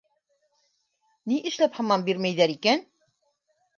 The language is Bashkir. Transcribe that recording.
Ни эшләп һаман бирмәйҙәр икән?